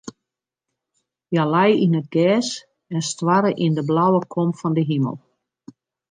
Hja lei yn it gjers en stoarre yn de blauwe kom fan de himel.